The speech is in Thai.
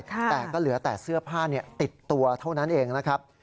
แต่ก็เหลือแต่เสื้อผ้าติดตัวเท่านั้นเองนะครับ